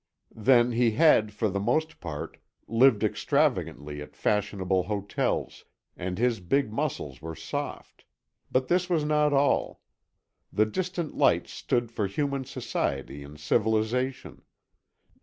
Then he had, for the most part, lived extravagantly at fashionable hotels, and his big muscles were soft; but this was not all. The distant lights stood for human society and civilization.